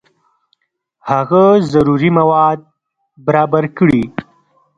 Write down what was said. هغه ضروري مواد برابر کړي.